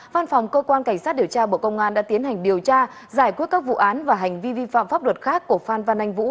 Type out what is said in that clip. văn phòng cơ quan cảnh sát điều tra bộ công an đã tiến hành điều tra giải quyết các vụ án và hành vi vi phạm pháp luật khác của phan văn anh vũ